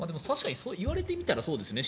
いわれてみたらそうですね。